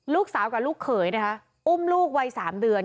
ลูกสาวกับลูกเขยนะคะอุ้มลูกวัย๓เดือน